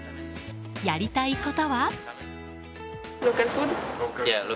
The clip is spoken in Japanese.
やりたいことは？